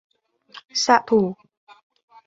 xạ thủ